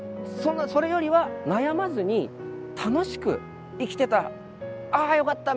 それよりは悩まずに楽しく生きてた「あよかった。